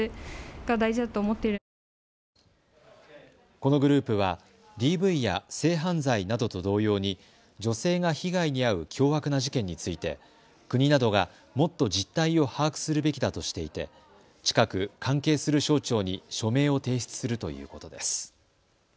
このグループはＤＶや性犯罪などと同様に女性が被害に遭う凶悪な事件について国などが、もっと実態を把握するべきだとしていて近く関係する省庁に署名を提出するということです。